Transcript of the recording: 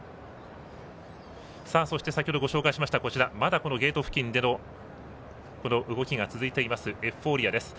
そして先ほどご紹介しましたまだゲート付近での動きが続いていますエフフォーリアです。